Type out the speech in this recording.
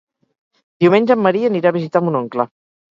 Diumenge en Maria anirà a visitar mon oncle.